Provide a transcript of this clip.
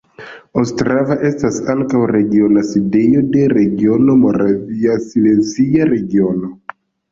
Ostrava estas ankaŭ regiona sidejo de regiono Moravia-Silezia Regiono.